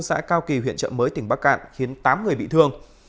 xã cao kỳ huyện trợ mới tỉnh bắc cạn khiến tám người bị thương